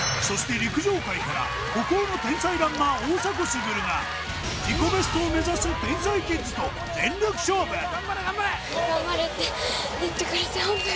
そして陸上界から孤高の天才ランナー大迫傑が自己ベストを目指す天才キッズと全力勝負